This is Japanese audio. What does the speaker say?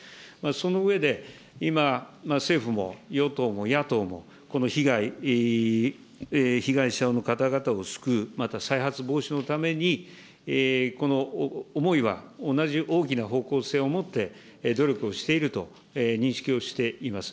その上で、今、政府も与党も野党も、この被害、被害者の方々を救う、また再発防止のために、この思いは同じ大きな方向性を持って努力をしていると認識をしています。